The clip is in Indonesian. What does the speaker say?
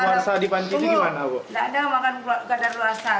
tidak ada makanan kadar luasa